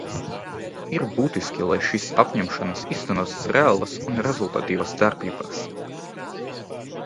Ir būtiski, lai šīs apņemšanās īstenotos reālās un rezultatīvās darbībās.